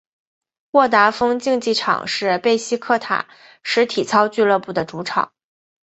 沃达丰竞技场是贝西克塔什体操俱乐部的主场。